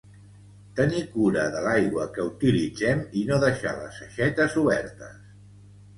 Tenir cura de l'aigua que utilitzem i no deixar les aixetes obertes